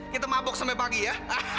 kita mabuk sampai pagi ya